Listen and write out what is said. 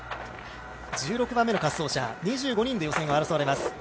１６番目の滑走者２５人で予選が争われます。